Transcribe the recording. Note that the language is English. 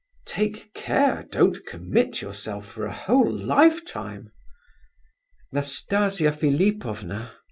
"Take care, don't commit yourself for a whole lifetime." "Nastasia Philipovna."